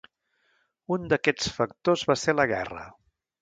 Un d'aquests factors va ser la guerra.